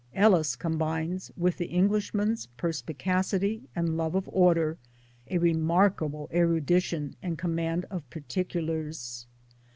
Ellis combines with the Englishman's perspicacity and love 0f order a re markable erudition and command 1 of particulars.